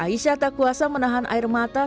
aisyah takuasa menahan air mokok